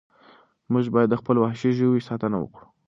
موږ باید د خپلو وحشي ژویو ساتنه وکړو.